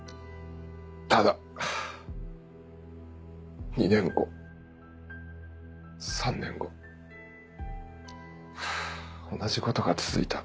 ただ２年後３年後同じことが続いた。